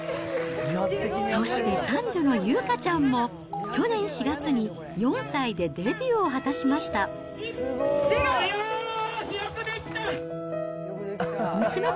そして三女の有花ちゃんも、去年４月に４歳でデビューを果たしました。